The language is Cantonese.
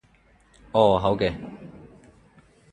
哦，好嘅